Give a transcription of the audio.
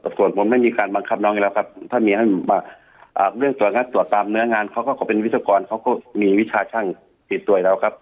ส่วนผมไม่มีการบังคับน้องนี้แล้วครับถ้ามีเรื่องตัวตามเนื้องานเขาก็เป็นวิศากรเขาก็มีวิชาช่างผิดด้วยแล้วครับ